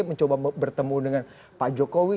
mencoba bertemu dengan pak jokowi